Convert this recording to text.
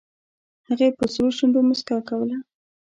هغې په سرو شونډو موسکا کوله